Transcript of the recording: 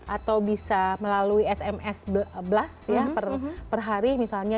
atau bisa melalui sms blast ya per hari misalnya